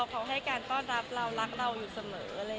เขาให้การต้อนรับเรารักเราอยู่เสมอ